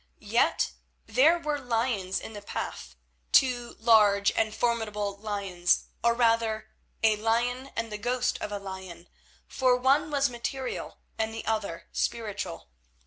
Yet there were lions in the path, two large and formidable lions, or rather a lion and the ghost of a lion, for one was material and the other spiritual.